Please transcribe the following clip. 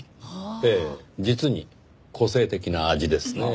ええ実に個性的な味ですねぇ。